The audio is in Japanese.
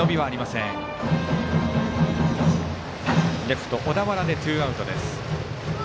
レフト、小田原でツーアウト。